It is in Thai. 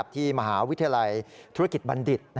ที่มหาวิทยาลัยธุรกิจบัณฑิต